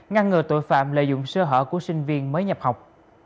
ngăn ngừa tội phạm lợi dụng sơ hở của sinh viên mới nhập học